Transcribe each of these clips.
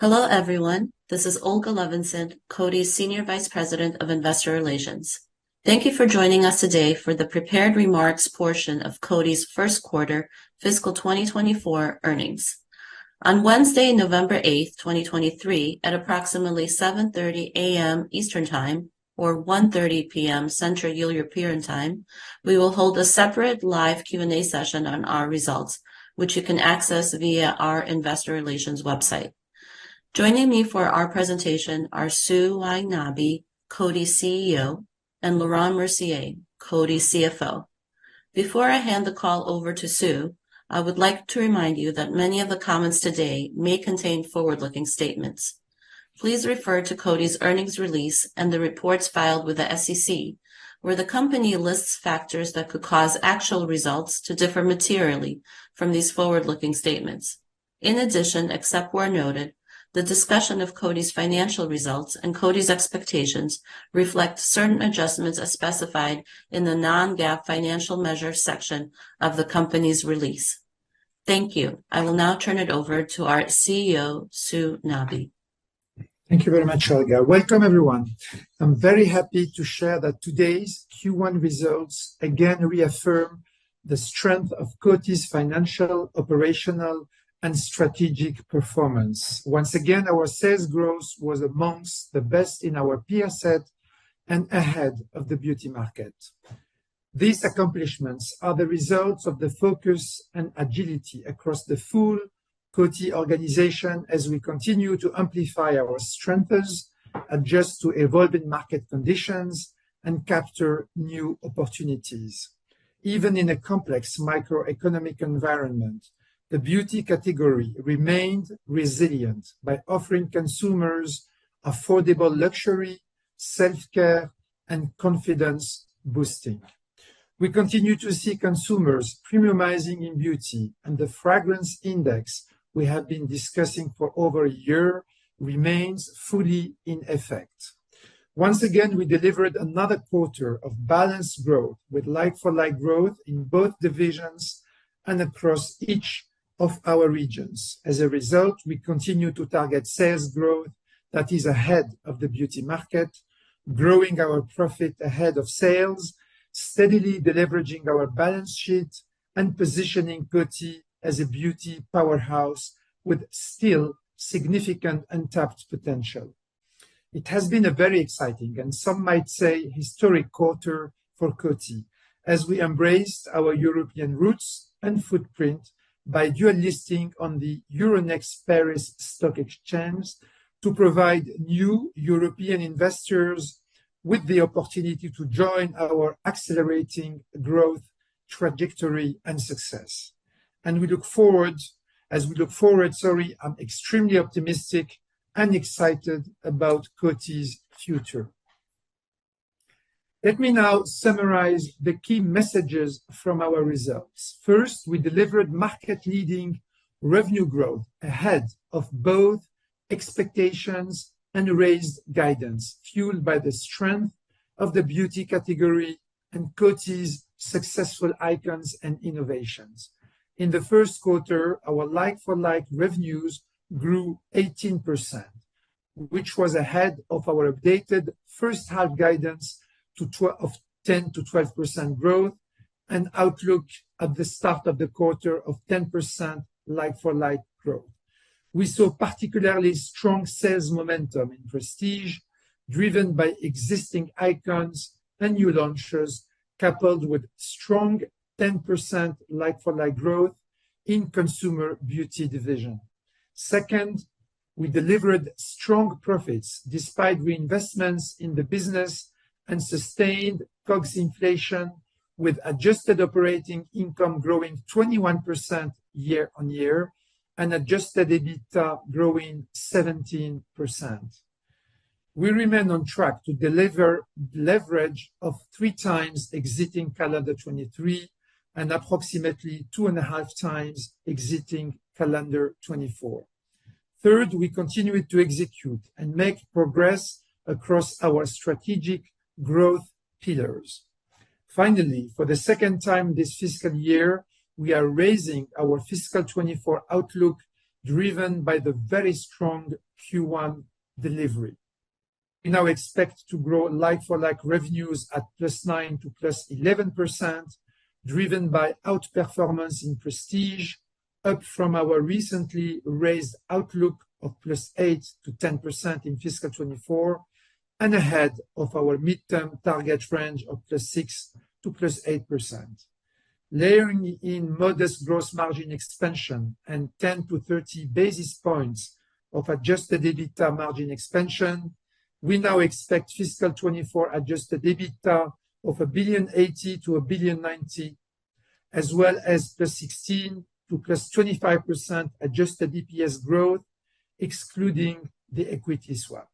Hello, everyone. This is Olga Levinzon, Coty's Senior Vice President of Investor Relations. Thank you for joining us today for the prepared remarks portion of Coty's first quarter fiscal 2024 earnings. On Wednesday, November 8, 2023, at approximately 7:30 A.M. Eastern Time or 1:30 P.M. Central European Time, we will hold a separate live Q&A session on our results, which you can access via our investor relations website. Joining me for our presentation are Sue Y. Nabi, Coty's CEO, and Laurent Mercier, Coty's CFO. Before I hand the call over to Sue, I would like to remind you that many of the comments today may contain forward-looking statements. Please refer to Coty's earnings release and the reports filed with the SEC, where the company lists factors that could cause actual results to differ materially from these forward-looking statements. In addition, except where noted, the discussion of Coty's financial results and Coty's expectations reflect certain adjustments as specified in the non-GAAP financial measure section of the company's release. Thank you. I will now turn it over to our CEO, Sue Nabi. Thank you very much, Olga. Welcome, everyone. I'm very happy to share that today's Q1 results again reaffirm the strength of Coty's financial, operational, and strategic performance. Once again, our sales growth was among the best in our peer set and ahead of the beauty market. These accomplishments are the results of the focus and agility across the full Coty organization as we continue to amplify our strengths, adjust to evolving market conditions, and capture new opportunities. Even in a complex macroeconomic environment, the beauty category remained resilient by offering consumers affordable luxury, self-care, and confidence-boosting. We continue to see consumers premiumizing in beauty, and the Fragrance Index we have been discussing for over a year remains fully in effect. Once again, we delivered another quarter of balanced growth with like-for-like growth in both divisions and across each of our regions. As a result, we continue to target sales growth that is ahead of the beauty market, growing our profit ahead of sales, steadily deleveraging our balance sheet, and positioning Coty as a beauty powerhouse with still significant untapped potential. It has been a very exciting, and some might say, historic quarter for Coty as we embraced our European roots and footprint by dual listing on the Euronext Paris Stock Exchange to provide new European investors with the opportunity to join our accelerating growth, trajectory, and success. As we look forward, sorry, I'm extremely optimistic and excited about Coty's future. Let me now summarize the key messages from our results. First, we delivered market-leading revenue growth ahead of both expectations and raised guidance, fueled by the strength of the beauty category and Coty's successful icons and innovations. In the first quarter, our like-for-like revenues grew 18%, which was ahead of our updated first half guidance of 10%-12% growth and outlook at the start of the quarter of 10% like-for-like growth. We saw particularly strong sales momentum in Prestige, driven by existing icons and new launches, coupled with strong 10% like-for-like growth in Consumer Beauty division. Second, we delivered strong profits despite reinvestments in the business and sustained COGS inflation, with adjusted operating income growing 21% year on year and adjusted EBITDA growing 17%. We remain on track to deliver leverage of 3x exiting calendar 2023 and approximately 2.5x exiting calendar 2024. Third, we continued to execute and make progress across our strategic growth pillars. Finally, for the second time this fiscal year, we are raising our fiscal 2024 outlook, driven by the very strong Q1 delivery. We now expect to grow Like-for-Like revenues at +9%-+11%, driven by outperformance in Prestige, up from our recently raised outlook of +8%-10% in fiscal 2024 and ahead of our mid-term target range of +6%-+8%. Layering in modest gross margin expansion and 10-30 basis points of Adjusted EBITDA margin expansion, we now expect fiscal 2024 Adjusted EBITDA of $1.08 billion-$1.09 billion, as well as +16%-+25% Adjusted EPS growth, excluding the equity swap.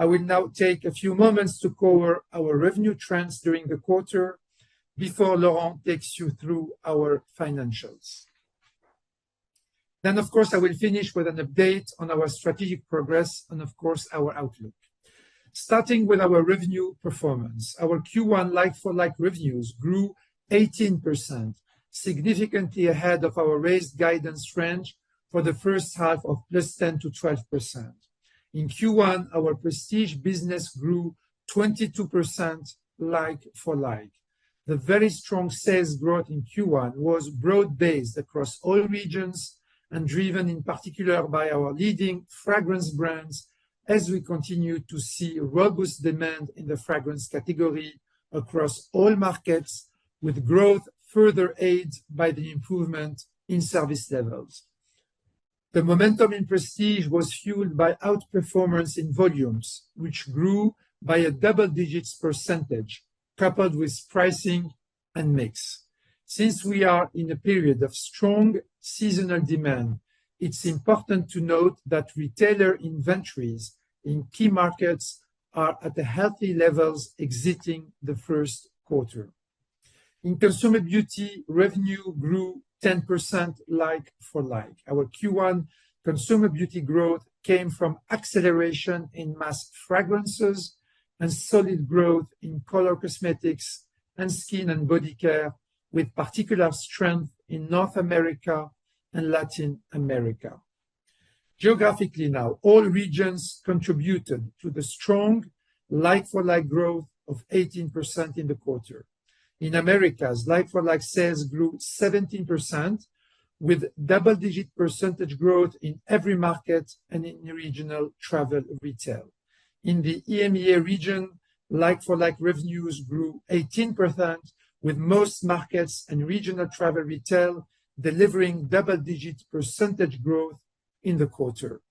I will now take a few moments to cover our revenue trends during the quarter before Laurent takes you through our financials. Then, of course, I will finish with an update on our strategic progress and, of course, our outlook. Starting with our revenue performance, our Q1 like-for-like revenues grew 18%, significantly ahead of our raised guidance range for the first half of +10%-12%. In Q1, our prestige business grew 22% like-for-like. The very strong sales growth in Q1 was broad-based across all regions, and driven in particular by our leading fragrance brands, as we continue to see robust demand in the fragrance category across all markets, with growth further aided by the improvement in service levels. The momentum in prestige was fueled by outperformance in volumes, which grew by a double-digit percentage, coupled with pricing and mix. Since we are in a period of strong seasonal demand, it's important to note that retailer inventories in key markets are at a healthy levels exiting the first quarter. In Consumer Beauty, revenue grew 10% like-for-like. Our Q1 Consumer Beauty growth came from acceleration in mass fragrances and solid growth in color cosmetics and skin and body care, with particular strength in North America and Latin America. Geographically now, all regions contributed to the strong like-for-like growth of 18% in the quarter. In Americas, like-for-like sales grew 17%, with double-digit percentage growth in every market and in regional travel retail. In the EMEA region, like-for-like revenues grew 18%, with most markets and regional travel retail delivering double-digit percentage growth in the quarter.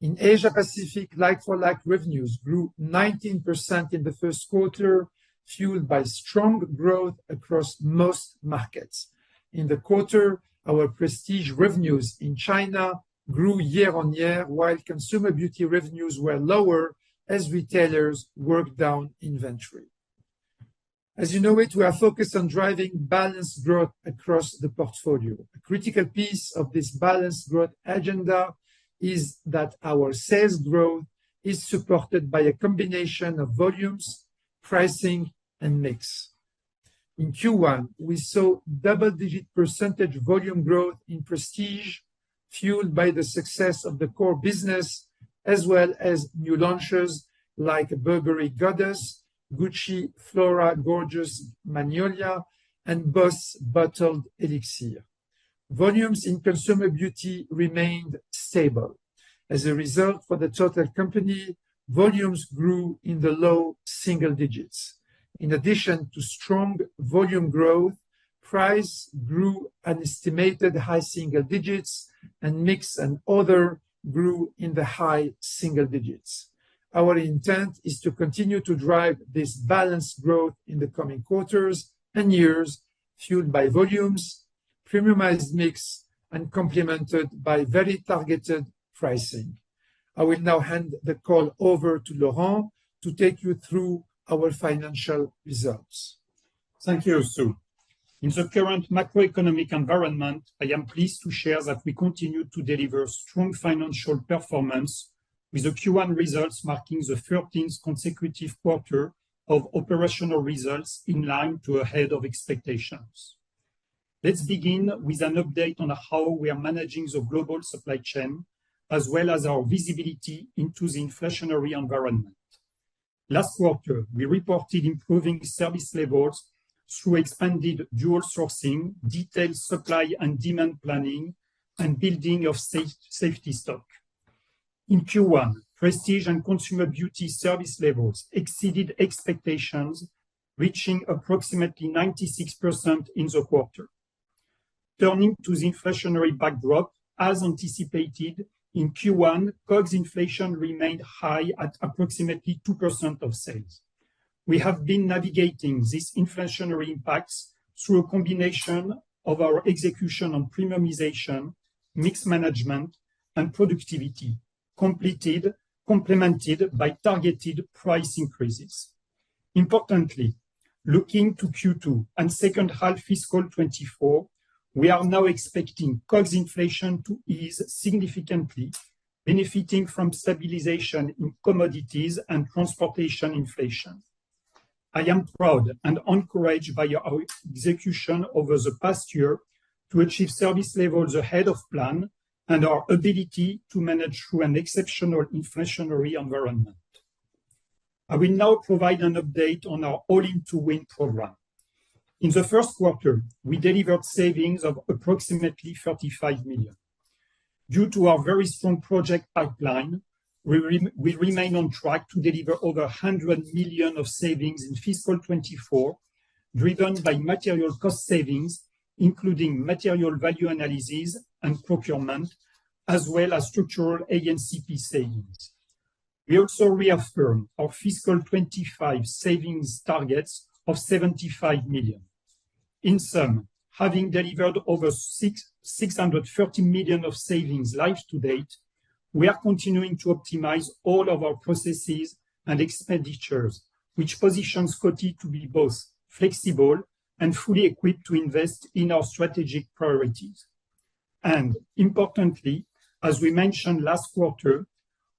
In Asia Pacific, like-for-like revenues grew 19% in the first quarter, fueled by strong growth across most markets. In the quarter, our Prestige revenues in China grew year-on-year, while Consumer Beauty revenues were lower as retailers worked down inventory. As you know it, we are focused on driving balanced growth across the portfolio. A critical piece of this balanced growth agenda is that our sales growth is supported by a combination of volumes, pricing, and mix. In Q1, we saw double-digit % volume growth in Prestige, fueled by the success of the core business, as well as new launches like Burberry Goddess, Gucci Flora Gorgeous Magnolia, and Boss Bottled Elixir. Volumes in Consumer Beauty remained stable. As a result, for the total company, volumes grew in the low single digits. In addition to strong volume growth, price grew an estimated high single digits, and mix and other grew in the high single digits. Our intent is to continue to drive this balanced growth in the coming quarters and years, fueled by volumes, premiumized mix, and complemented by very targeted pricing. I will now hand the call over to Laurent to take you through our financial results. Thank you, Sue. In the current macroeconomic environment, I am pleased to share that we continue to deliver strong financial performance, with the Q1 results marking the 13th consecutive quarter of operational results in line to ahead of expectations. Let's begin with an update on how we are managing the global supply chain, as well as our visibility into the inflationary environment. Last quarter, we reported improving service levels through expanded dual sourcing, detailed supply and demand planning, and building of safety stock. In Q1, Prestige and Consumer Beauty service levels exceeded expectations, reaching approximately 96% in the quarter. Turning to the inflationary backdrop, as anticipated, in Q1, COGS inflation remained high at approximately 2% of sales. We have been navigating these inflationary impacts through a combination of our execution on premiumization, mix management, and productivity, complemented by targeted price increases. Importantly, looking to Q2 and second half fiscal 2024, we are now expecting COGS inflation to ease significantly, benefiting from stabilization in commodities and transportation inflation. I am proud and encouraged by our execution over the past year to achieve service levels ahead of plan and our ability to manage through an exceptional inflationary environment. I will now provide an update on our All-in-to-Win program. In the first quarter, we delivered savings of approximately $35 million. Due to our very strong project pipeline, we remain on track to deliver over $100 million of savings in fiscal 2024, driven by material cost savings, including material value analysis and procurement, as well as structural agency savings. We also reaffirm our fiscal 2025 savings targets of $75 million. In sum, having delivered over $630 million of savings life to date, we are continuing to optimize all of our processes and expenditures, which positions Coty to be both flexible and fully equipped to invest in our strategic priorities. Importantly, as we mentioned last quarter,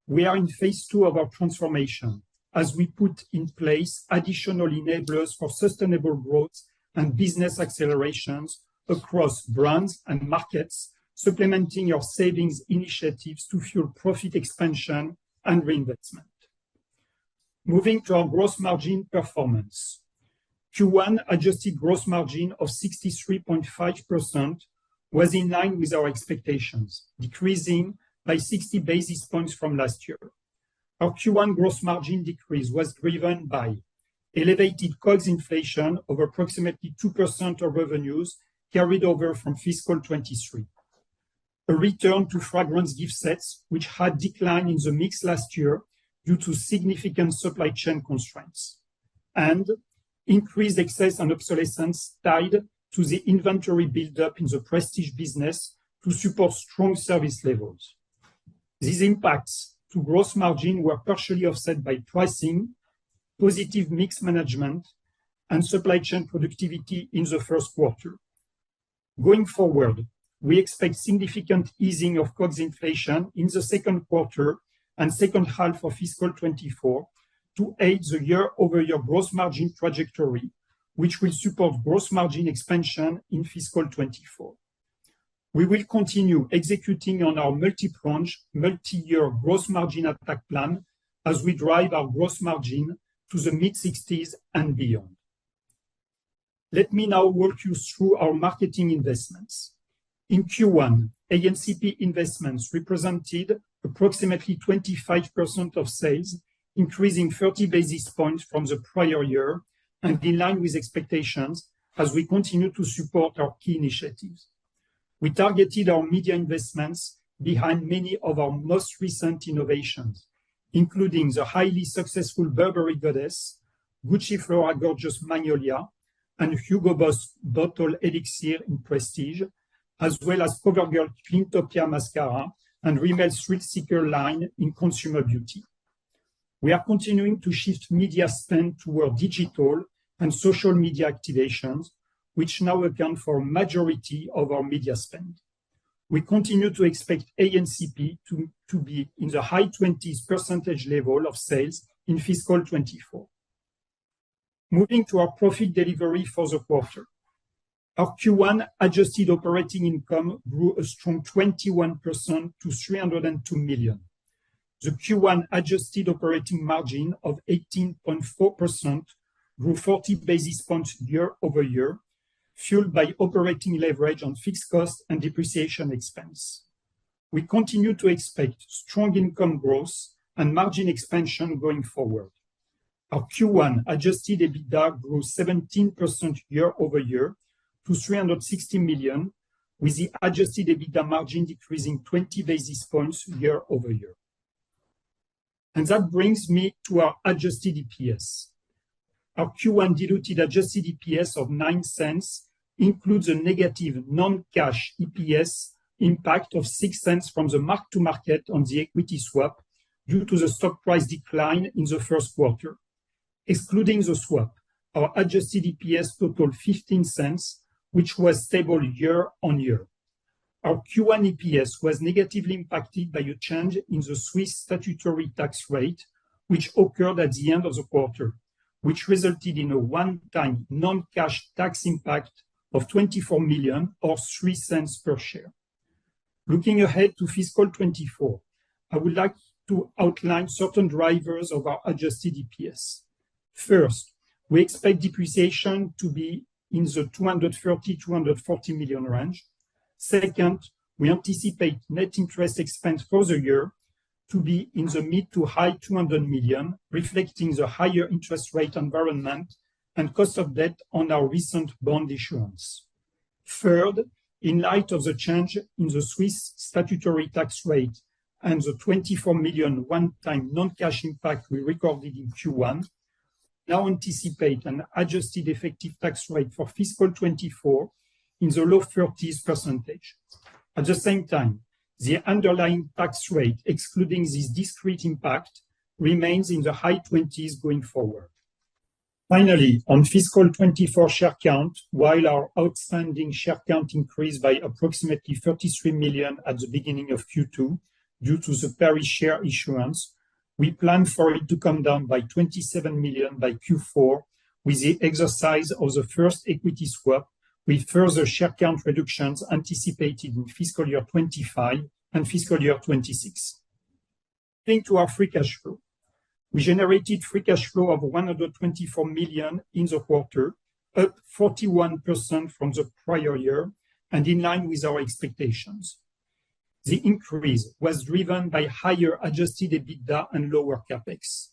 we are in phase two of our transformation as we put in place additional enablers for sustainable growth and business accelerations across brands and markets, supplementing our savings initiatives to fuel profit expansion and reinvestment. Moving to our gross margin performance. Q1 adjusted gross margin of 63.5% was in line with our expectations, decreasing by 60 basis points from last year. Our Q1 gross margin decrease was driven by elevated COGS inflation of approximately 2% of revenues carried over from fiscal 2023, a return to fragrance gift sets, which had declined in the mix last year due to significant supply chain constraints, and increased excess and obsolescence tied to the inventory build-up in the prestige business to support strong service levels. These impacts to gross margin were partially offset by pricing, positive mix management, and supply chain productivity in the first quarter. Going forward, we expect significant easing of COGS inflation in the second quarter and second half of fiscal 2024 to aid the year-over-year gross margin trajectory, which will support gross margin expansion in fiscal 2024. We will continue executing on our multi-pronged, multi-year gross margin attack plan as we drive our gross margin to the mid-sixties and beyond. Let me now walk you through our marketing investments. In Q1, A&CP investments represented approximately 25% of sales, increasing 30 basis points from the prior year and in line with expectations as we continue to support our key initiatives. We targeted our media investments behind many of our most recent innovations, including the highly successful Burberry Goddess, Gucci Flora Gorgeous Magnolia, and Boss Bottled Elixir in Prestige, as well as CoverGirl Cleantopia Mascara and Rimmel Thrill Seeker line in Consumer Beauty. We are continuing to shift media spend toward digital and social media activations, which now account for a majority of our media spend. We continue to expect A&CP to be in the high 20s% level of sales in fiscal 2024. Moving to our profit delivery for the quarter. Our Q1 adjusted operating income grew a strong 21% to $302 million. The Q1 adjusted operating margin of 18.4% grew 40 basis points year-over-year, fueled by operating leverage on fixed cost and depreciation expense. We continue to expect strong income growth and margin expansion going forward. Our Q1 adjusted EBITDA grew 17% year-over-year to $360 million, with the adjusted EBITDA margin decreasing 20 basis points year-over-year. That brings me to our adjusted EPS. Our Q1 diluted adjusted EPS of $0.09 includes a negative non-cash EPS impact of $0.06 from the mark to market on the equity swap due to the stock price decline in the first quarter. Excluding the swap, our adjusted EPS totaled $0.15, which was stable year-on-year. Our Q1 EPS was negatively impacted by a change in the Swiss statutory tax rate, which occurred at the end of the quarter, which resulted in a one-time non-cash tax impact of $24 million or $0.03 per share. Looking ahead to fiscal 2024, I would like to outline certain drivers of our adjusted EPS. First, we expect depreciation to be in the $230 million-$240 million range. Second, we anticipate net interest expense for the year to be in the mid- to high $200 million, reflecting the higher interest rate environment and cost of debt on our recent bond issuance. Third, in light of the change in the Swiss statutory tax rate and the $24 million one-time non-cash impact we recorded in Q1, now anticipate an adjusted effective tax rate for fiscal 2024 in the low 30s%. At the same time, the underlying tax rate, excluding this discrete impact, remains in the high 20s going forward. Finally, on fiscal 2024 share count, while our outstanding share count increased by approximately 33 million at the beginning of Q2, due to the Paris share issuance, we plan for it to come down by 27 million by Q4, with the exercise of the first equity swap, with further share count reductions anticipated in fiscal year 2025 and fiscal year 2026. Turning to our free cash flow. We generated free cash flow of $124 million in the quarter, up 41% from the prior year and in line with our expectations. The increase was driven by higher Adjusted EBITDA and lower CapEx.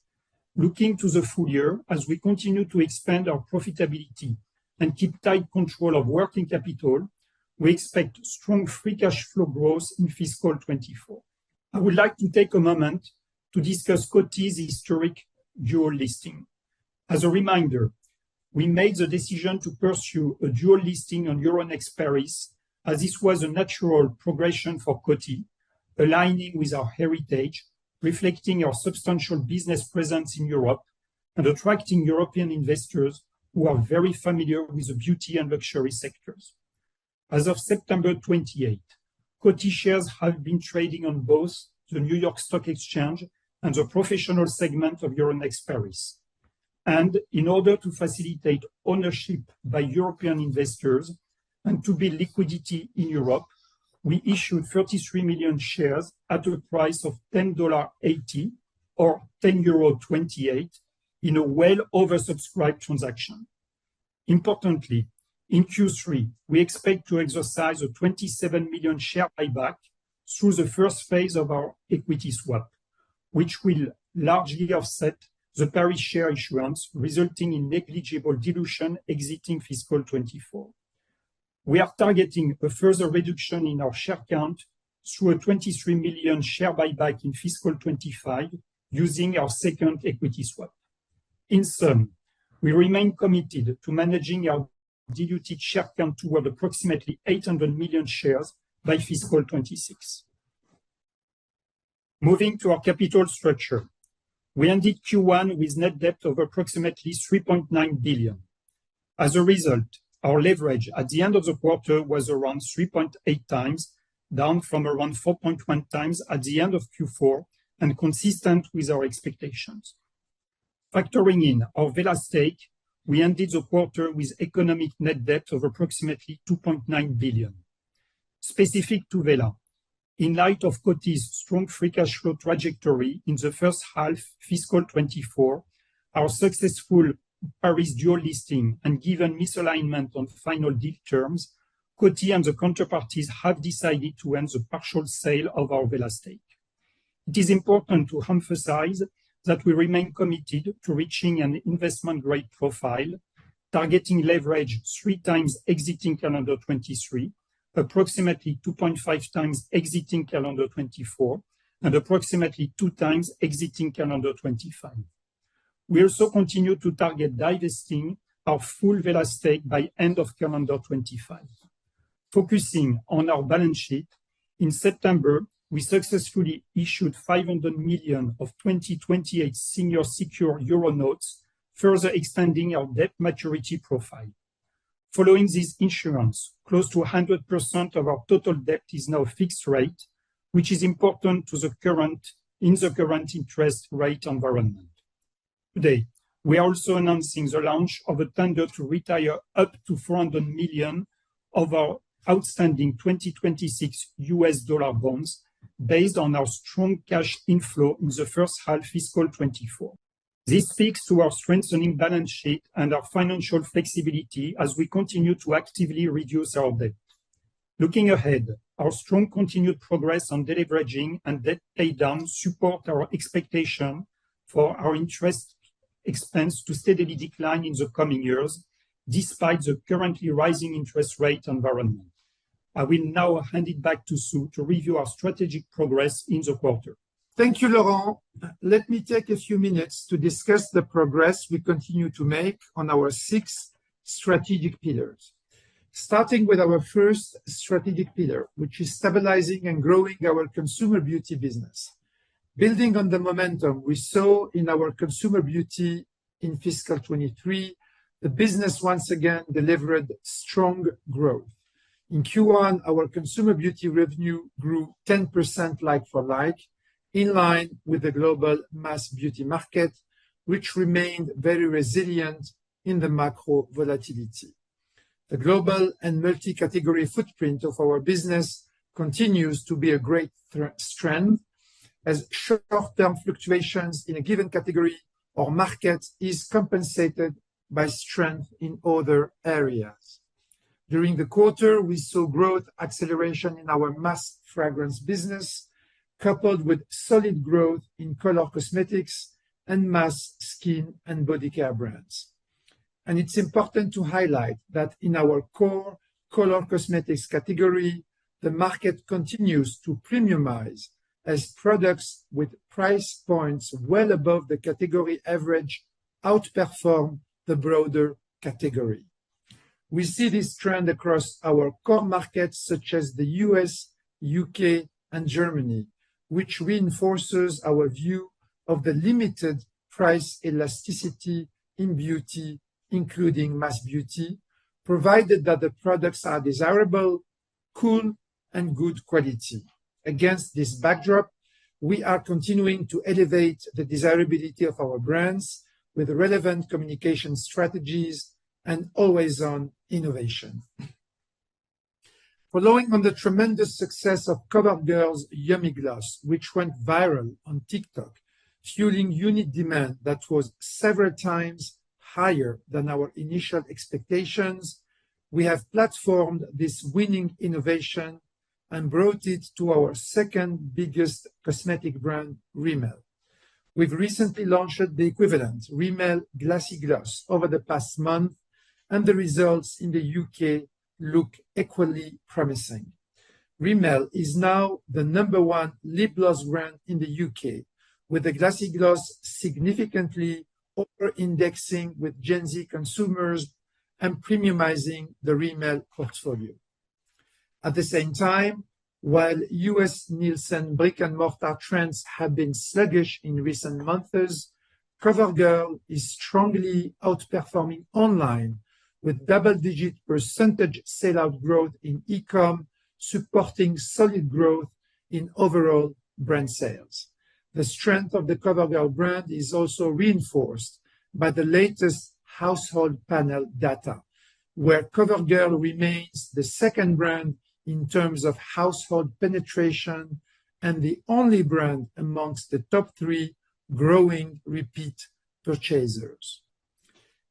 Looking to the full year, as we continue to expand our profitability and keep tight control of working capital, we expect strong free cash flow growth in fiscal 2024. I would like to take a moment to discuss Coty's historic dual listing. As a reminder, we made the decision to pursue a dual listing on Euronext Paris, as this was a natural progression for Coty, aligning with our heritage, reflecting our substantial business presence in Europe, and attracting European investors who are very familiar with the beauty and luxury sectors. As of September 28, Coty shares have been trading on both the New York Stock Exchange and the professional segment of Euronext Paris. In order to facilitate ownership by European investors and to build liquidity in Europe, we issued 33 million shares at a price of $10.80 or 10.28 euro in a well oversubscribed transaction. Importantly, in Q3, we expect to exercise a 27 million share buyback through the first phase of our equity swap, which will largely offset the Paris share issuance, resulting in negligible dilution exiting fiscal 2024. We are targeting a further reduction in our share count through a 23 million share buyback in fiscal 2025, using our second equity swap. In sum, we remain committed to managing our diluted share count toward approximately 800 million shares by fiscal 2026. Moving to our capital structure, we ended Q1 with net debt of approximately $3.9 billion. As a result, our leverage at the end of the quarter was around 3.8 times, down from around 4.1 times at the end of Q4, and consistent with our expectations. Factoring in our Wella stake, we ended the quarter with economic net debt of approximately $2.9 billion. Specific to Wella, in light of Coty's strong free cash flow trajectory in the first half fiscal 2024, our successful Paris dual listing, and given misalignment on final deal terms, Coty and the counterparties have decided to end the partial sale of our Wella stake. It is important to emphasize that we remain committed to reaching an investment-grade profile, targeting leverage 3x exiting calendar 2023, approximately 2.5x exiting calendar 2024, and approximately 2x exiting calendar 2025. We also continue to target divesting our full Wella stake by end of calendar 2025. Focusing on our balance sheet, in September, we successfully issued 500 million of 2028 senior secured euro notes, further extending our debt maturity profile. Following this issuance, close to 100% of our total debt is now fixed rate, which is important to the current interest rate environment. Today, we are also announcing the launch of a tender to retire up to $400 million of our outstanding 2026 U.S. dollar bonds based on our strong cash inflow in the first half fiscal 2024. This speaks to our strengthening balance sheet and our financial flexibility as we continue to actively reduce our debt. Looking ahead, our strong continued progress on deleveraging and debt paydown support our expectation for our interest expense to steadily decline in the coming years, despite the currently rising interest rate environment. I will now hand it back to Sue to review our strategic progress in the quarter. Thank you, Laurent. Let me take a few minutes to discuss the progress we continue to make on our six strategic pillars. Starting with our first strategic pillar, which is stabilizing and growing our Consumer Beauty business. Building on the momentum we saw in our Consumer Beauty in fiscal 2023, the business once again delivered strong growth. In Q1, our Consumer Beauty revenue grew 10% like-for-like, in line with the global mass beauty market, which remained very resilient in the macro volatility. The global and multi-category footprint of our business continues to be a great strength, as short-term fluctuations in a given category or market is compensated by strength in other areas. During the quarter, we saw growth acceleration in our mass fragrance business, coupled with solid growth in color cosmetics and mass skin and body care brands. It's important to highlight that in our core color cosmetics category, the market continues to premiumize, as products with price points well above the category average outperform the broader category. We see this trend across our core markets, such as the U.S., U.K., and Germany, which reinforces our view of the limited price elasticity in beauty, including mass beauty, provided that the products are desirable, cool, and good quality. Against this backdrop, we are continuing to elevate the desirability of our brands with relevant communication strategies and always-on innovation. Following on the tremendous success of CoverGirl's Yummy Gloss, which went viral on TikTok, fueling unit demand that was several times higher than our initial expectations, we have platformed this winning innovation and brought it to our second biggest cosmetic brand, Rimmel. We've recently launched the equivalent, Rimmel Glassy Gloss, over the past month, and the results in the U.K. look equally promising. Rimmel is now the number one lip gloss brand in the U.K., with the Glassy Gloss significantly over-indexing with Gen Z consumers and premiumizing the Rimmel portfolio. At the same time, while U.S. Nielsen brick-and-mortar trends have been sluggish in recent months, CoverGirl is strongly outperforming online, with double-digit % sell-out growth in e-com, supporting solid growth in overall brand sales. The strength of the CoverGirl brand is also reinforced by the latest household panel data, where CoverGirl remains the second brand in terms of household penetration and the only brand amongst the top three growing repeat purchasers.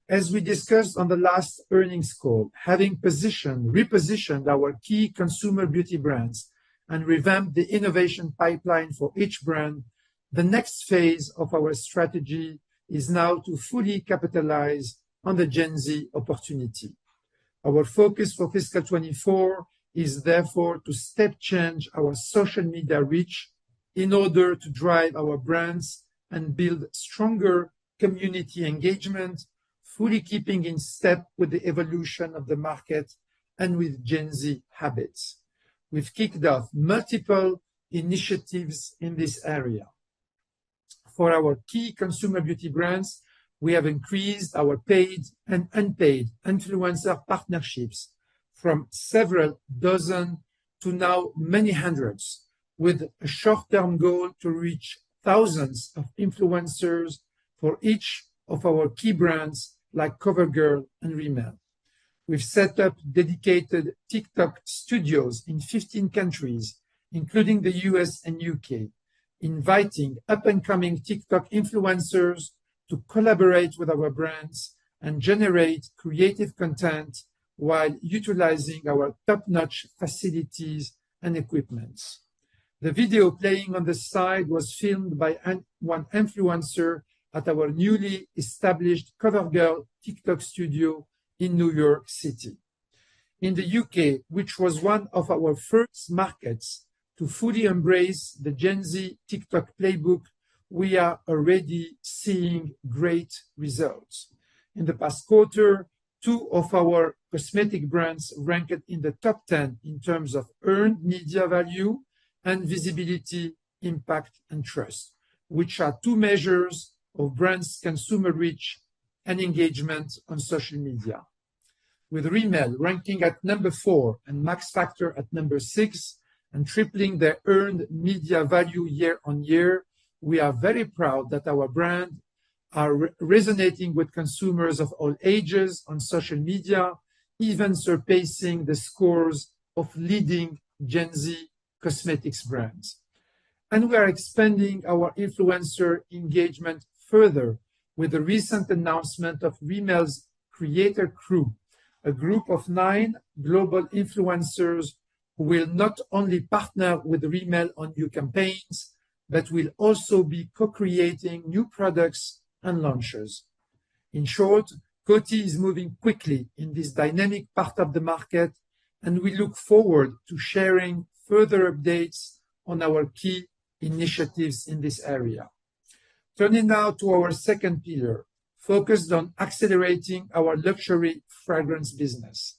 As we discussed on the last earnings call, having repositioned our key consumer beauty brands and revamped the innovation pipeline for each brand, the next phase of our strategy is now to fully capitalize on the Gen Z opportunity. Our focus for fiscal 2024 is therefore to step change our social media reach in order to drive our brands and build stronger community engagement, fully keeping in step with the evolution of the market and with Gen Z habits. We've kicked off multiple initiatives in this area. For our key consumer beauty brands, we have increased our paid and unpaid influencer partnerships from several dozen to now many hundreds, with a short-term goal to reach thousands of influencers for each of our key brands, like CoverGirl and Rimmel. We've set up dedicated TikTok studios in 15 countries, including the U.S. and U.K., inviting up-and-coming TikTok influencers to collaborate with our brands and generate creative content while utilizing our top-notch facilities and equipments. The video playing on the side was filmed by one influencer at our newly established CoverGirl TikTok studio in New York City. In the U.K., which was one of our first markets to fully embrace the Gen Z TikTok playbook, we are already seeing great results. In the past quarter, two of our cosmetic brands ranked in the top 10 in terms of earned media value and visibility, impact, and trust, which are two measures of brands' consumer reach and engagement on social media. With Rimmel ranking at number 4 and Max Factor at number 6, and tripling their earned media value year on year, we are very proud that our brand are re-resonating with consumers of all ages on social media, even surpassing the scores of leading Gen Z cosmetics brands. We are expanding our influencer engagement further with the recent announcement of Rimmel's Creator Crew, a group of 9 global influencers who will not only partner with Rimmel on new campaigns, but will also be co-creating new products and launches. In short, Coty is moving quickly in this dynamic part of the market, and we look forward to sharing further updates on our key initiatives in this area. Turning now to our second pillar, focused on accelerating our luxury fragrance business.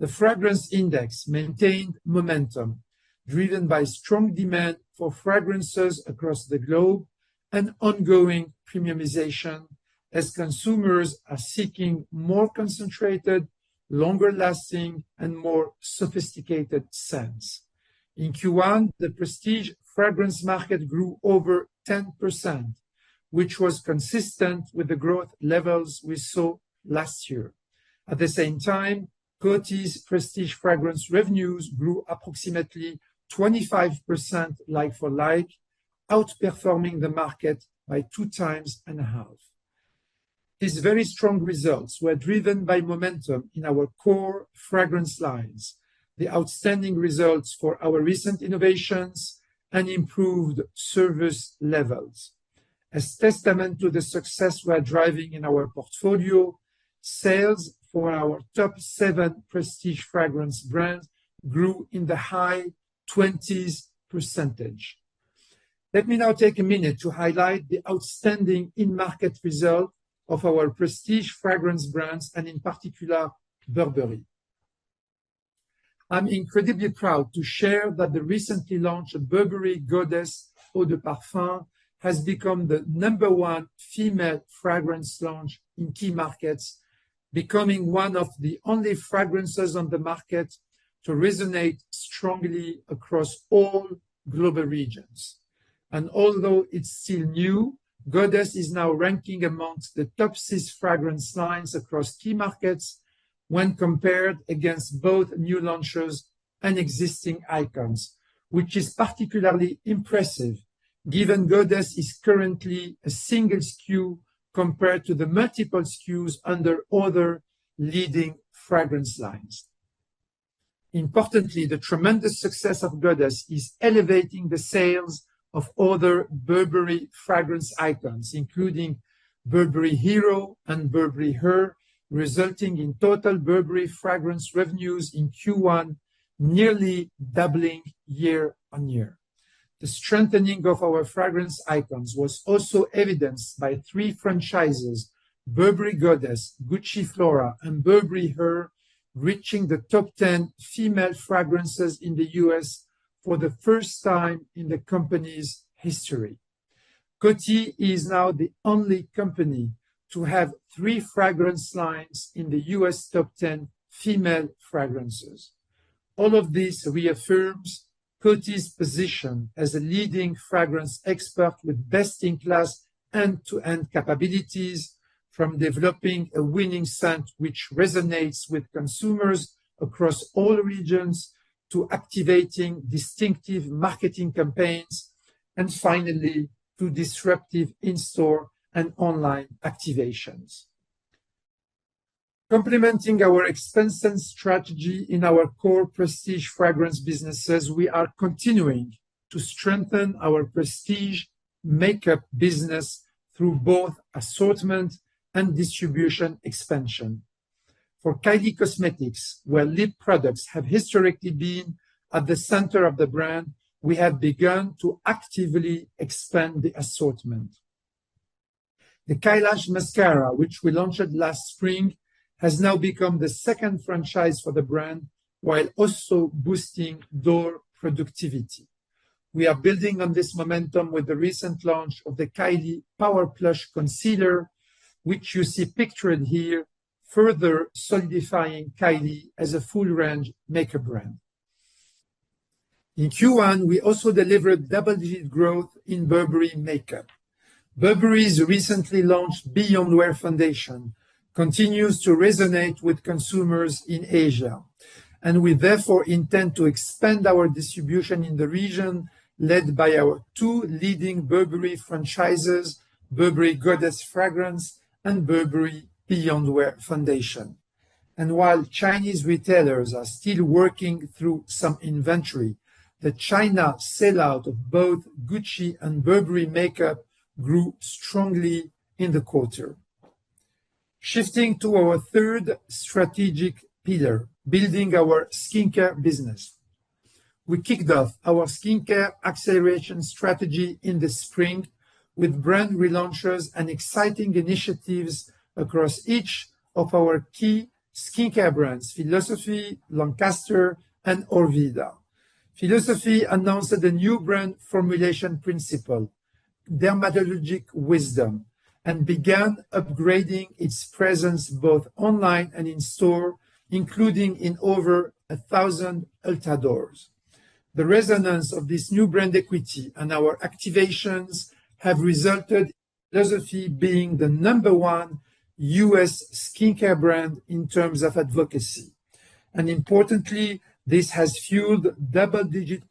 The Fragrance Index maintained momentum, driven by strong demand for fragrances across the globe and ongoing premiumization as consumers are seeking more concentrated, longer lasting, and more sophisticated scents. In Q1, the Prestige fragrance market grew over 10%, which was consistent with the growth levels we saw last year. At the same time, Coty's Prestige fragrance revenues grew approximately 25% like-for-like, outperforming the market by 2.5 times. These very strong results were driven by momentum in our core fragrance lines, the outstanding results for our recent innovations, and improved service levels. As testament to the success we're driving in our portfolio, sales for our top 7 Prestige fragrance brands grew in the high 20s%. Let me now take a minute to highlight the outstanding in-market result of our Prestige fragrance brands, and in particular, Burberry. I'm incredibly proud to share that the recently launched Burberry Goddess Eau de Parfum has become the number 1 female fragrance launch in key markets, becoming one of the only fragrances on the market to resonate strongly across all global regions. Although it's still new, Goddess is now ranking amongst the top 6 fragrance lines across key markets when compared against both new launches and existing icons, which is particularly impressive given Goddess is currently a single SKU compared to the multiple SKUs under other leading fragrance lines. Importantly, the tremendous success of Goddess is elevating the sales of other Burberry fragrance icons, including Burberry Hero and Burberry Her, resulting in total Burberry fragrance revenues in Q1 nearly doubling year-over-year. The strengthening of our fragrance icons was also evidenced by three franchises: Burberry Goddess, Gucci Flora, and Burberry Her, reaching the top ten female fragrances in the U.S. for the first time in the company's history. Coty is now the only company to have three fragrance lines in the U.S. top ten female fragrances. All of this reaffirms Coty's position as a leading fragrance expert with best-in-class end-to-end capabilities, from developing a winning scent, which resonates with consumers across all regions, to activating distinctive marketing campaigns, and finally, to disruptive in-store and online activations. Complementing our expansion strategy in our core prestige fragrance businesses, we are continuing to strengthen our prestige makeup business through both assortment and distribution expansion. For Kylie Cosmetics, where lip products have historically been at the center of the brand, we have begun to actively expand the assortment. The Kylash Mascara, which we launched last spring, has now become the second franchise for the brand, while also boosting door productivity. We are building on this momentum with the recent launch of the Kylie Power Plush Concealer, which you see pictured here, further solidifying Kylie as a full-range makeup brand. In Q1, we also delivered double-digit growth in Burberry makeup. Burberry's recently launched Beyond Wear foundation continues to resonate with consumers in Asia, and we therefore intend to expand our distribution in the region, led by our two leading Burberry franchises, Burberry Goddess fragrance and Burberry Beyond Wear foundation. And while Chinese retailers are still working through some inventory, the China sellout of both Gucci and Burberry makeup grew strongly in the quarter. Shifting to our third strategic pillar, building our skincare business. We kicked off our skincare acceleration strategy in the spring with brand relaunches and exciting initiatives across each of our key skincare brands: Philosophy, Lancaster, and Orveda. Philosophy announced the new brand formulation principle, Dermatologic Wisdom, and began upgrading its presence both online and in store, including in over a thousand Ulta doors. The resonance of this new brand equity and our activations have resulted in Philosophy being the number one U.S. skincare brand in terms of advocacy. And importantly, this has fueled double-digit %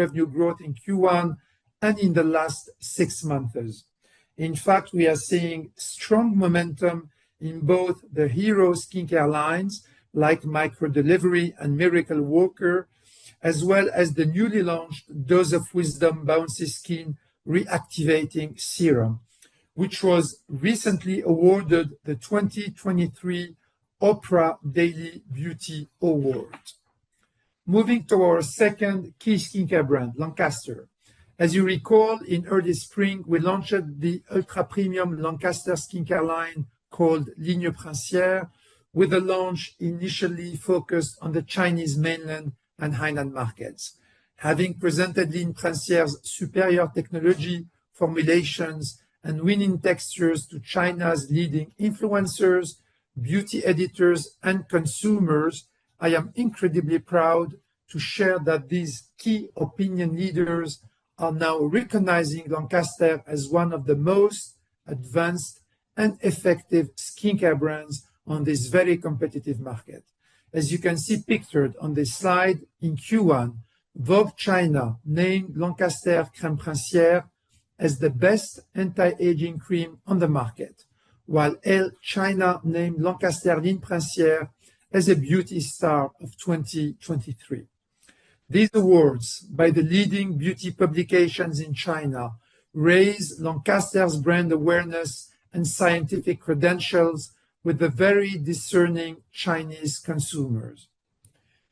revenue growth in Q1 and in the last six months. In fact, we are seeing strong momentum in both the hero skincare lines like Microdelivery and Miracle Worker, as well as the newly launched Dose of Wisdom Bouncy Skin Reactivating Serum, which was recently awarded the 2023 Oprah Daily Beauty Award. Moving to our second key skincare brand, Lancaster. As you recall, in early spring, we launched the ultra-premium Lancaster skincare line called Ligne Princière, with a launch initially focused on the Chinese mainland and Hainan markets. Having presented in Princière's superior technology, formulations, and winning textures to China's leading influencers, beauty editors, and consumers, I am incredibly proud to share that these key opinion leaders are now recognizing Lancaster as one of the most advanced and effective skincare brands on this very competitive market. As you can see pictured on this slide, in Q1, Vogue China named Lancaster Crème Princière as the best anti-aging cream on the market, while Elle China named Lancaster Ligne Princière as a Beauty Star of 2023. These awards, by the leading beauty publications in China, raise Lancaster's brand awareness and scientific credentials with the very discerning Chinese consumers.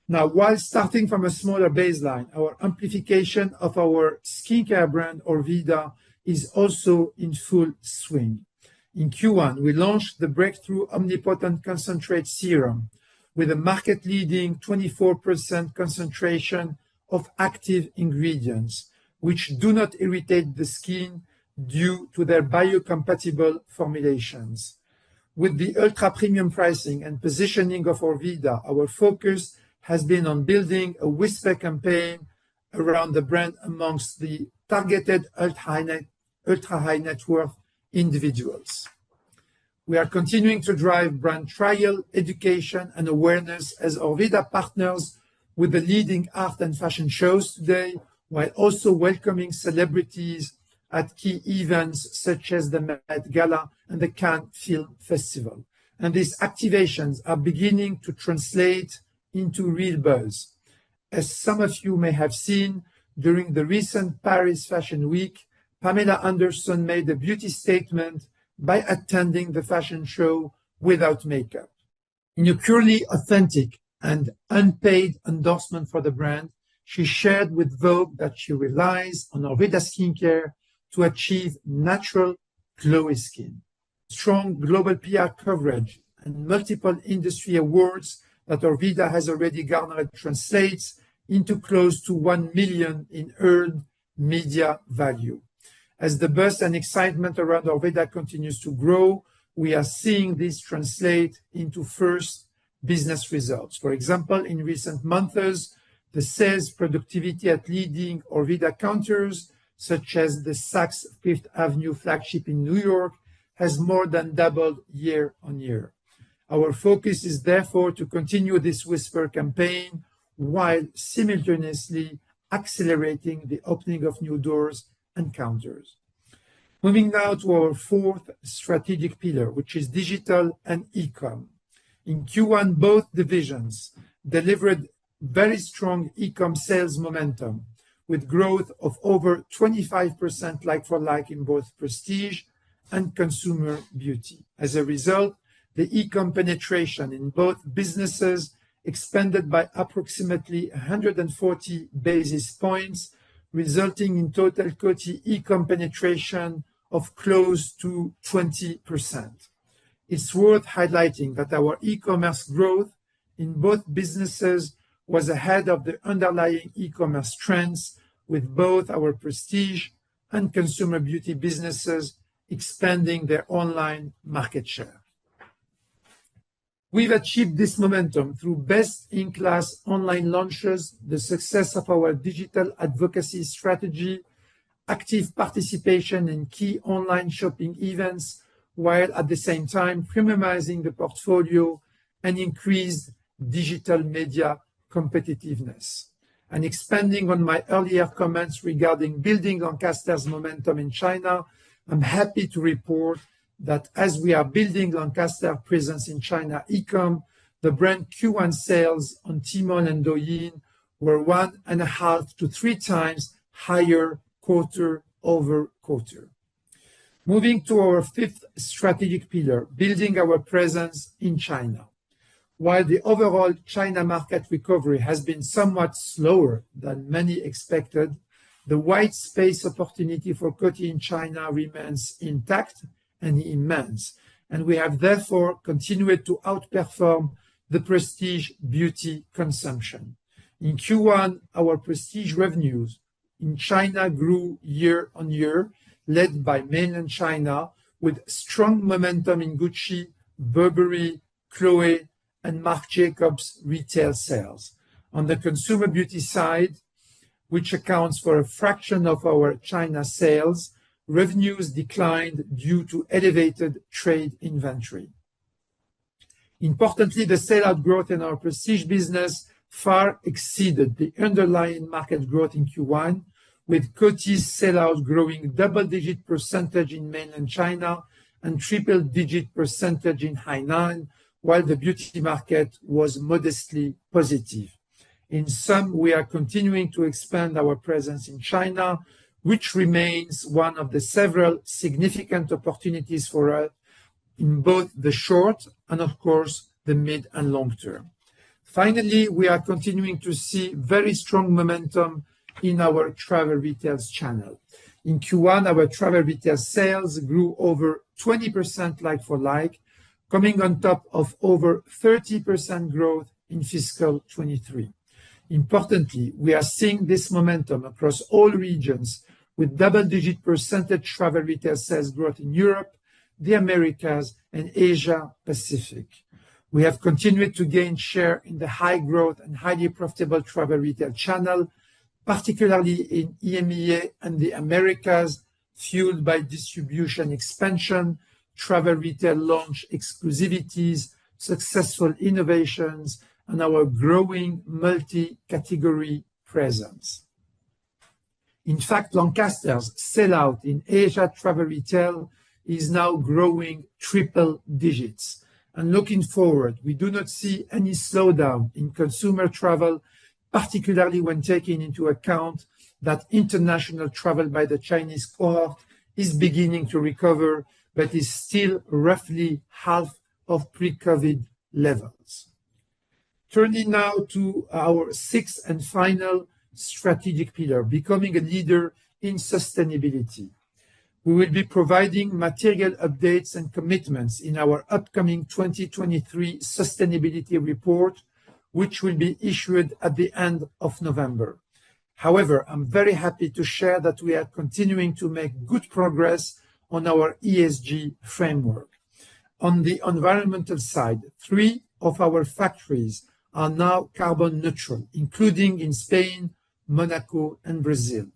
Now, while starting from a smaller baseline, our amplification of our skincare brand, Orveda, is also in full swing. In Q1, we launched the breakthrough Omnipotent Concentrate Serum with a market-leading 24% concentration of active ingredients, which do not irritate the skin due to their biocompatible formulations. With the ultra-premium pricing and positioning of Orveda, our focus has been on building a whisper campaign around the brand amongst the targeted ultra-high net worth individuals. We are continuing to drive brand trial, education, and awareness as Orveda partners with the leading art and fashion shows today, while also welcoming celebrities at key events such as the Met Gala and the Cannes Film Festival. These activations are beginning to translate into real buzz. As some of you may have seen, during the recent Paris Fashion Week, Pamela Anderson made a beauty statement by attending the fashion show without makeup. In a purely authentic and unpaid endorsement for the brand, she shared with Vogue that she relies on Orveda skincare to achieve natural, glowy skin. Strong global PR coverage and multiple industry awards that Orveda has already garnered translates into close to 1 million in earned media value. As the buzz and excitement around Orveda continues to grow, we are seeing this translate into first business results. For example, in recent months, the sales productivity at leading Orveda counters, such as the Saks Fifth Avenue flagship in New York, has more than doubled year-on-year. Our focus is therefore to continue this whisper campaign while simultaneously accelerating the opening of new doors and counters. Moving now to our fourth strategic pillar, which is digital and e-com. In Q1, both divisions delivered very strong e-com sales momentum, with growth of over 25% like-for-like in both prestige and consumer beauty. As a result, the e-com penetration in both businesses expanded by approximately 140 basis points, resulting in total Coty e-com penetration of close to 20%. It's worth highlighting that our e-commerce growth in both businesses was ahead of the underlying e-commerce trends, with both our prestige and consumer beauty businesses expanding their online market share. We've achieved this momentum through best-in-class online launches, the success of our digital advocacy strategy, active participation in key online shopping events, while at the same time premiumizing the portfolio and increased digital media competitiveness. Expanding on my earlier comments regarding building Lancaster's momentum in China, I'm happy to report that as we are building Lancaster presence in China e-com, the brand Q1 sales on Tmall and Douyin were 1.5-3 times higher quarter-over-quarter. Moving to our fifth strategic pillar, building our presence in China. While the overall China market recovery has been somewhat slower than many expected, the white space opportunity for Coty in China remains intact and immense, and we have therefore continued to outperform the prestige beauty consumption. In Q1, our prestige revenues in China grew year-on-year, led by Mainland China, with strong momentum in Gucci, Burberry, Chloé, and Marc Jacobs retail sales. On the Consumer Beauty side, which accounts for a fraction of our China sales, revenues declined due to elevated trade inventory. Importantly, the sell-out growth in our Prestige business far exceeded the underlying market growth in Q1, with Coty's sell-out growing double-digit % in mainland China and triple-digit % in Hainan, while the beauty market was modestly positive. In sum, we are continuing to expand our presence in China, which remains one of the several significant opportunities for us in both the short and, of course, the mid and long term. Finally, we are continuing to see very strong momentum in our travel retail channel. In Q1, our travel retail sales grew over 20% Like-for-Like, coming on top of over 30% growth in fiscal 2023. Importantly, we are seeing this momentum across all regions with double-digit % travel retail sales growth in Europe, the Americas, and Asia Pacific. We have continued to gain share in the high growth and highly profitable travel retail channel, particularly in EMEA and the Americas, fueled by distribution expansion, travel retail launch exclusivities, successful innovations, and our growing multi-category presence. In fact, Lancaster's sell-out in Asia travel retail is now growing triple digits. Looking forward, we do not see any slowdown in consumer travel, particularly when taking into account that international travel by the Chinese cohort is beginning to recover but is still roughly half of pre-COVID levels. Turning now to our sixth and final strategic pillar, becoming a leader in sustainability. We will be providing material updates and commitments in our upcoming 2023 sustainability report, which will be issued at the end of November. However, I'm very happy to share that we are continuing to make good progress on our ESG framework. On the environmental side, three of our factories are now carbon neutral, including in Spain, Monaco, and Brazil.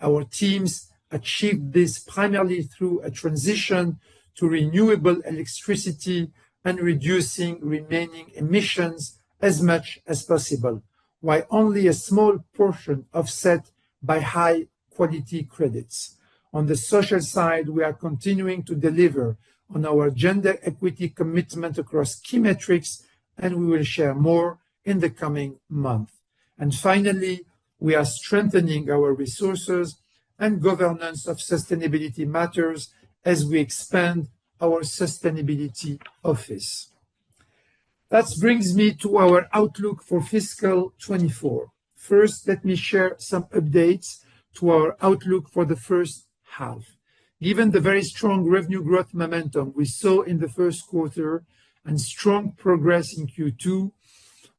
Our teams achieved this primarily through a transition to renewable electricity and reducing remaining emissions as much as possible, while only a small portion offset by high-quality credits. On the social side, we are continuing to deliver on our gender equity commitment across key metrics, and we will share more in the coming month. Finally, we are strengthening our resources and governance of sustainability matters as we expand our sustainability office. That brings me to our outlook for fiscal 2024. First, let me share some updates to our outlook for the first half. Given the very strong revenue growth momentum we saw in the first quarter and strong progress in Q2,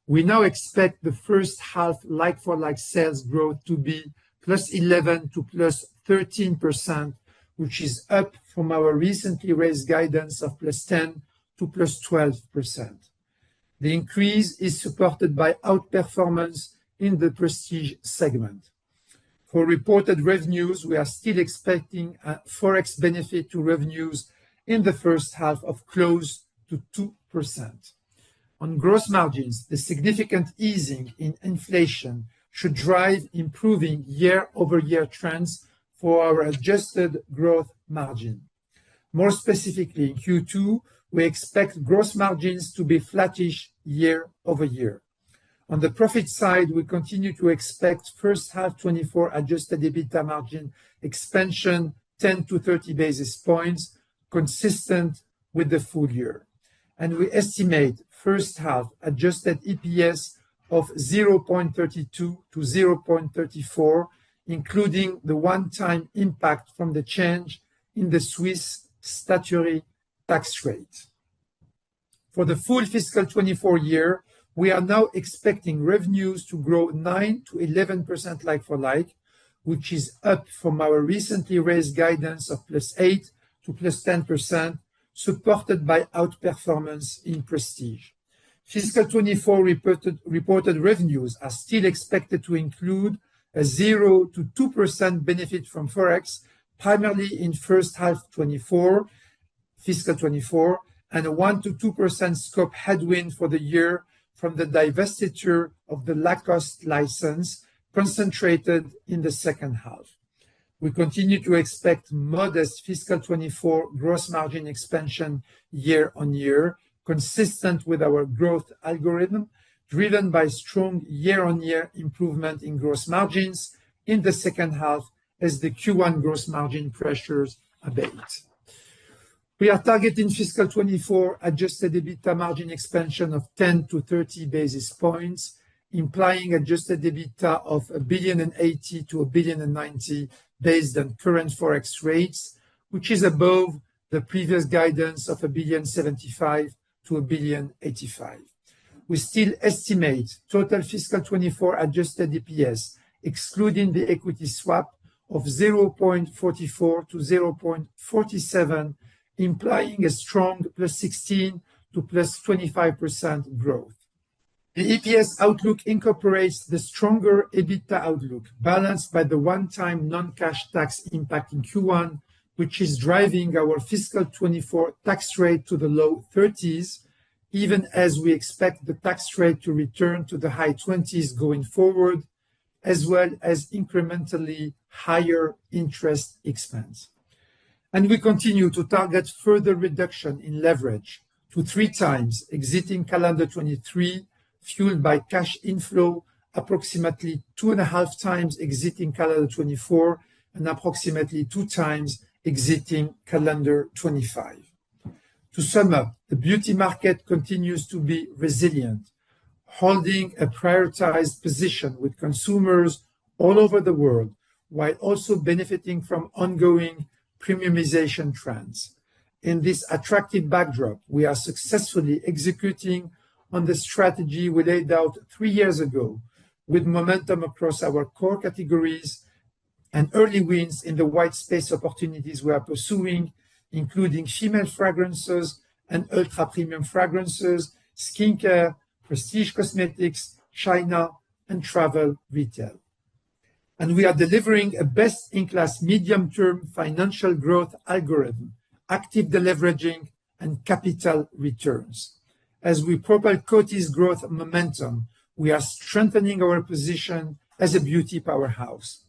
we now expect the first half like-for-like sales growth to be +11% to +13%, which is up from our recently raised guidance of +10% to +12%. The increase is supported by outperformance in the prestige segment. For reported revenues, we are still expecting a Forex benefit to revenues in the first half of close to 2%. On gross margins, the significant easing in inflation should drive improving year-over-year trends for our adjusted gross margin. More specifically, in Q2, we expect gross margins to be flattish year-over-year. On the profit side, we continue to expect first half 2024 Adjusted EBITDA margin expansion 10-30 basis points, consistent with the full year. We estimate first half adjusted EPS of $0.32-$0.34, including the one-time impact from the change in the Swiss statutory tax rate. For the full fiscal 2024 year, we are now expecting revenues to grow 9%-11% like-for-like, which is up from our recently raised guidance of +8% to +10%, supported by outperformance in prestige. Fiscal 2024 reported revenues are still expected to include a 0%-2% benefit from Forex, primarily in first half 2024, fiscal 2024, and a 1%-2% scope headwind for the year from the divestiture of the Lacoste license concentrated in the second half. We continue to expect modest fiscal 2024 gross margin expansion year-on-year, consistent with our growth algorithm, driven by strong year-on-year improvement in gross margins in the second half as the Q1 gross margin pressures abate. We are targeting fiscal 2024 adjusted EBITDA margin expansion of 10-30 basis points, implying adjusted EBITDA of $1.08 billion-$1.09 billion, based on current Forex rates, which is above the previous guidance of $1.075 billion-$1.085 billion. We still estimate total fiscal 2024 adjusted EPS, excluding the equity swap of 0.44-0.47, implying a strong +16% to +25% growth. The EPS outlook incorporates the stronger EBITDA outlook, balanced by the one-time non-cash tax impact in Q1, which is driving our fiscal 2024 tax rate to the low 30s%, even as we expect the tax rate to return to the high 20s% going forward, as well as incrementally higher interest expense. We continue to target further reduction in leverage to 3x exiting calendar 2023, fueled by cash inflow, approximately 2.5x exiting calendar 2024, and approximately 2x exiting calendar 2025. To sum up, the beauty market continues to be resilient, holding a prioritized position with consumers all over the world, while also benefiting from ongoing premiumization trends. In this attractive backdrop, we are successfully executing on the strategy we laid out 3 years ago, with momentum across our core categories and early wins in the white space opportunities we are pursuing, including female fragrances and ultra premium fragrances, skincare, prestige cosmetics, China, and travel retail. We are delivering a best-in-class medium-term financial growth algorithm, active deleveraging, and capital returns. As we propel Coty's growth momentum, we are strengthening our position as a beauty powerhouse.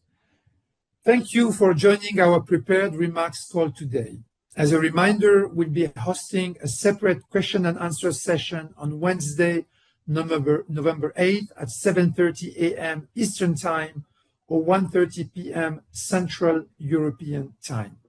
Thank you for joining our prepared remarks call today. As a reminder, we'll be hosting a separate question and answer session on Wednesday, November 8 at 7:30 A.M. Eastern Time or 1:30 P.M. Central European Time.